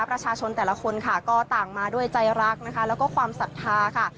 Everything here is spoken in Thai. ประชาชนแต่ละคนค่ะก็ต่างมาด้วยใจรักนะคะแล้วก็ความศรัทธาค่ะ